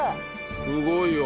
すごいわ。